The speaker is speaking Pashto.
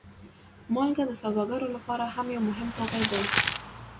مالګه د سوداګرو لپاره هم یو مهم توکی دی.